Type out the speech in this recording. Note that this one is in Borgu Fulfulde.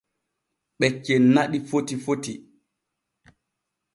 Ɓe cenna ɗi foti foti.